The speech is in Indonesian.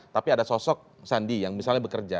tapi ada sosok sandi yang misalnya bekerja